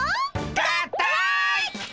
合体！